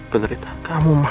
penderitaan kamu mak